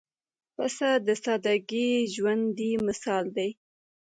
پسه د سادګۍ ژوندى مثال دی.